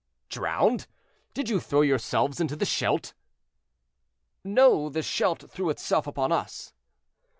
"Drowned! Did you throw yourselves into the Scheldt?" "No, the Scheldt threw itself upon us."